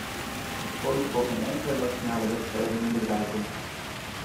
Het vormt voor geen enkele nationale wetgeving een bedreiging.